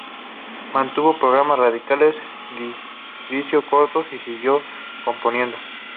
Mantuvo programas radiales, dirigió coros y siguió componiendo.